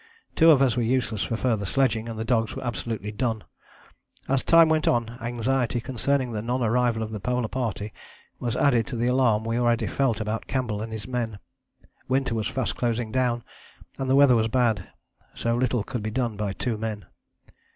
Two of us were useless for further sledging and the dogs were absolutely done. As time went on anxiety concerning the non arrival of the Polar Party was added to the alarm we already felt about Campbell and his men; winter was fast closing down, and the weather was bad. So little could be done by two men.